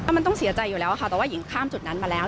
มันต้องเสียใจอยู่แล้วค่ะแต่ว่าหญิงข้ามจุดนั้นมาแล้ว